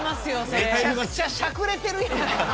めちゃくちゃしゃくれてるやんか！